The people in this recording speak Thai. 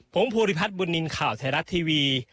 ผมภูริพัฒน์บุญนินทร์ข่าวไทยรัฐทีวี